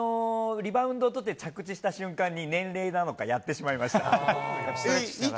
リバウンド取って、着地した瞬間に、年齢なのか、やってしまいつ？